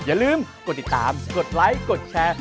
อย่าลืมกดติดตามกดไลค์กดแชร์